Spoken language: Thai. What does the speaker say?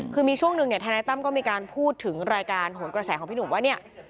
คือมีช่วงหนึ่งธนัยตั้มก็มีการพูดถึงรายการโหลกระแสของพี่หนุ่มว่า